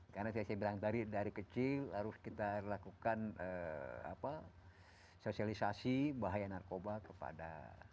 karena saya bilang dari kecil harus kita lakukan sosialisasi bahaya narkoba kepada